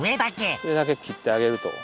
上だけ切ってあげると。